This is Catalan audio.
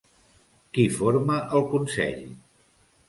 Qui forma el Consell?